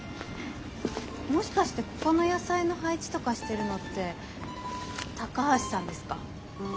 もしかしてここの野菜の配置とかしてるのって高橋さんですか？